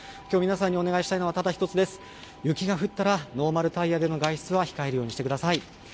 きょう、皆さんにお願いしたいのはただ一つです、雪が降ったら、ノーマルタイヤでの外出は控えてください。